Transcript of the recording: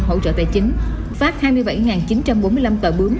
hỗ trợ tài chính phát hai mươi bảy chín trăm bốn mươi năm tờ bướn